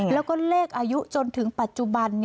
แล้วก็เลขอายุจนถึงปัจจุบัน